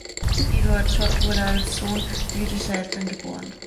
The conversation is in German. Eduard Schott wurde als Sohn jüdischer Eltern geboren.